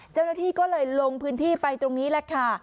เจ้าหน้าที่ก็เลยลงพื้นที่ไปตรงนี้แหละค่ะ